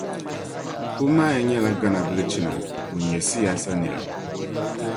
Puumaya nyɛla Gana bilichina ŋun ny siyaasa nira.